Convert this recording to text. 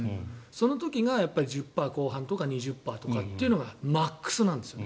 その時が１０％後半とか２０％というのがマックスなんです。